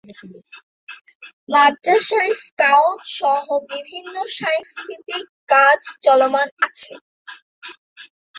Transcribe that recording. মাদরাসায় scout সহ বিভিন্ন সাংস্কৃতিক কাজ চলমান আছে।